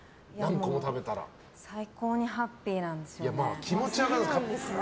最高にハッピーなんですよね。